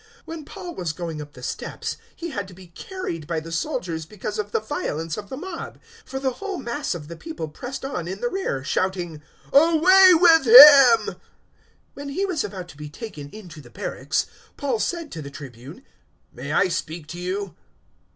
021:035 When Paul was going up the steps, he had to be carried by the soldiers because of the violence of the mob; 021:036 for the whole mass of the people pressed on in the rear, shouting, "Away with him!" 021:037 When he was about to be taken into the barracks, Paul said to the Tribune, "May I speak to you?"